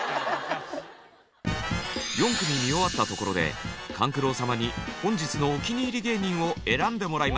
４組見終わったところで勘九郎様に本日のお気に入り芸人を選んでもらいます。